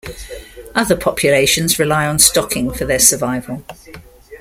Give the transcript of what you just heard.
Other populations rely on stocking for their survival.